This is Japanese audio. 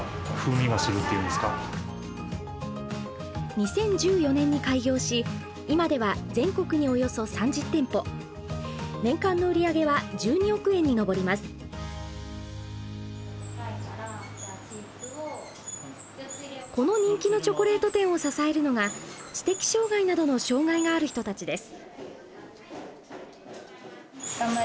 ２０１４年に開業し今ではこの人気のチョコレート店を支えるのが知的障害などの障害がある人たちです。